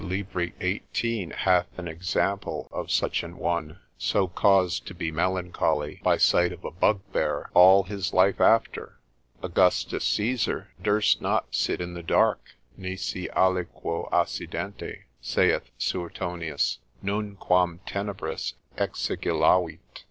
lib. 18, hath an example of such an one, so caused to be melancholy (by sight of a bugbear) all his life after. Augustus Caesar durst not sit in the dark, nisi aliquo assidente, saith Suetonius, Nunquam tenebris exigilavit.